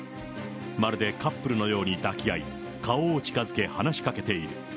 まるでカップルのように抱き合い、顔を近づけ話しかけている。